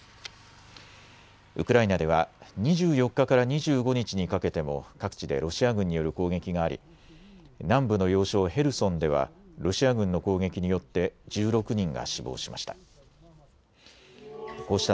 ウクライナでは２４日から２５日にかけても各地でロシア軍による攻撃があり南部の要衝ヘルソンではロシア軍の攻撃によって１６人が死亡しました。